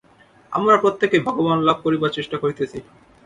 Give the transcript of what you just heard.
আমরা প্রত্যেকেই ভগবান লাভ করিবার চেষ্টা করিতেছি।